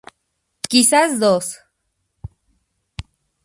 Quizás dos.